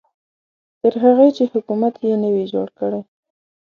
تر هغې چې حکومت یې نه وي جوړ کړی.